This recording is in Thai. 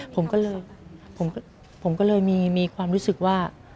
ผมก็เลยผมก็เลยมีความรู้สึกว่า